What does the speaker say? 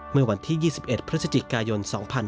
เมื่อวันที่๒๑พฤศจิกายน๒๕๕๙